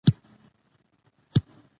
بلقیس د لیک په لیدلو سلیمان ته غاړه کېښوده.